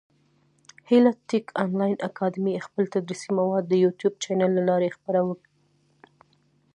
هیله ټېک انلاین اکاډمي خپل تدریسي مواد د يوټیوب چېنل له لاري خپره وي.